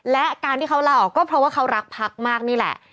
และการที่เขาลาออกก็เพราะว่าเขารักพักมากนี่แหละ